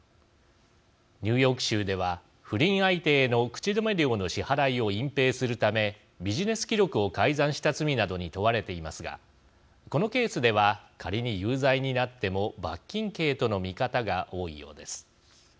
ニューヨーク州では不倫相手への口止め料の支払いを隠蔽するためビジネス記録を改ざんした罪などに問われていますがこのケースでは仮に有罪になっても罰金刑との見方が多いようです。